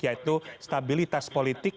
yaitu stabilitas politik